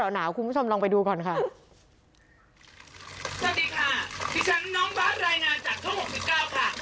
สวัสดีค่ะพี่ฉันน้องบาดรายนาจากท่อง๖๙ค่ะ